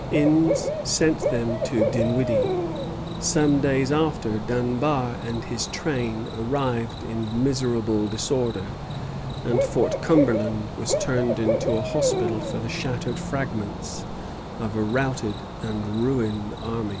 Innes sent them to Dinwiddie. Some days after, Dunbar and his train arrived in miserable disorder, and Fort Cumberland was turned into a hospital for the shattered fragments of a routed and ruined army.